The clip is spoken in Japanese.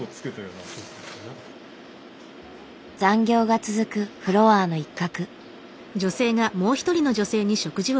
残業が続くフロアの一角。